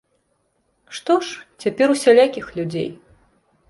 Што ж, цяпер усялякіх людзей.